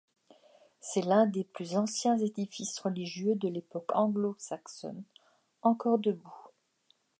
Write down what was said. C'est l'un des plus anciens édifices religieux de l'époque anglo-saxonne encore debout.